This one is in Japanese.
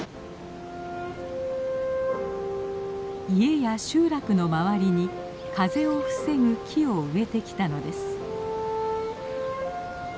家や集落の周りに風を防ぐ木を植えてきたのです。